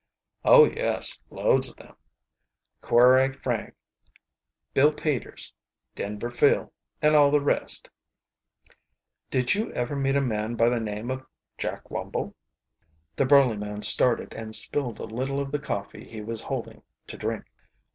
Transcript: "Oh, yes, loads of them, Quray Frank, Bill Peters, Denver Phil, and all the rest." "Did you ever meet a man by the name of Jack Wumble?" The burly man started and spilled a little of the coffee he was holding to drink.